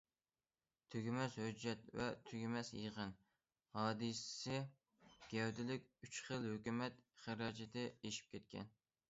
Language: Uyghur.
‹‹ تۈگىمەس ھۆججەت ۋە تۈگىمەس يىغىن›› ھادىسىسى گەۋدىلىك،‹‹ ئۈچ خىل ھۆكۈمەت خىراجىتى›› ئېشىپ كەتكەن.